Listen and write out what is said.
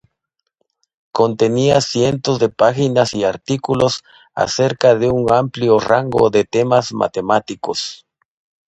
Contenía cientos de páginas y artículos acerca de un amplio rango de temas matemáticos.